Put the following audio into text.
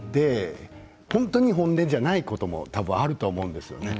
本当に本音じゃないことも多分あると思うんですよね。